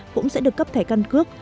cũng sẽ được cấp thẻ căn cước